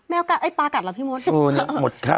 แมวกัดเห้ยปลากัดเหรอพี่มุดวุอะพี่มุดครับ